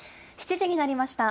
７時になりました。